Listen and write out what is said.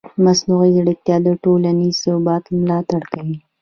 مصنوعي ځیرکتیا د ټولنیز ثبات ملاتړ کوي.